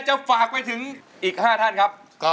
จะฝากไปถึงอีก๕ท่านครับ